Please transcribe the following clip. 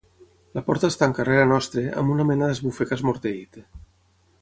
La porta es tanca rere nostre amb una mena d'esbufec esmorteït.